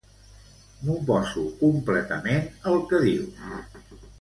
M'oposo completament al que dius.